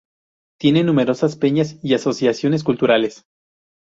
Tiene numerosas peñas y asociaciones culturales.